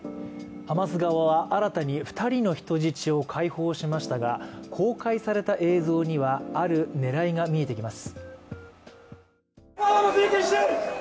ハマス側は新たに２人の人質を解放しましたが公開された映像には、ある狙いが見えてきます。